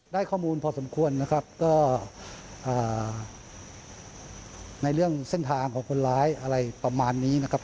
ได้ข้อมูลพอสมควรนะครับก็ในเรื่องเส้นทางของคนร้ายอะไรประมาณนี้นะครับ